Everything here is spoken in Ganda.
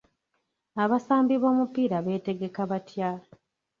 Abasambi b'omupiira beetegeka batya?